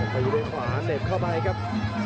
ตีด้วยขวาเหน็บเข้าไปครับ